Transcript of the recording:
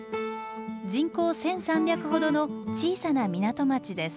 人口１，３００ほどの小さな港町です。